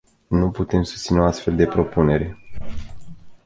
Nu putem susține o astfel de propunere.